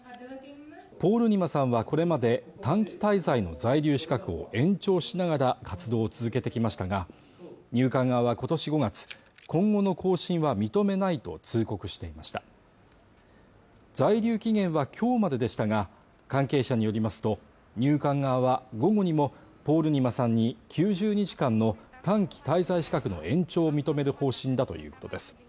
ポールニマさんはこれまで短期滞在の在留資格を延長しながら活動を続けてきましたが入管側は今年５月今後の更新は認めないと通告していました在留期限は今日まででしたが関係者によりますと入管側は午後にもポールニマさんに９０日間の短期滞在資格の延長を認める方針だということです